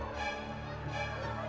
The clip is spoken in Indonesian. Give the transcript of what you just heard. nah yang mana